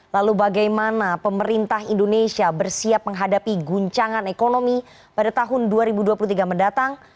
lalu bagaimana pemerintah indonesia bersiap menghadapi guncangan ekonomi pada tahun dua ribu dua puluh tiga mendatang